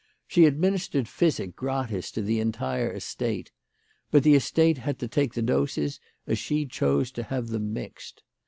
She administered physic gratis to the entire estate ; but the estate had to take the doses as she chose to have them mixed.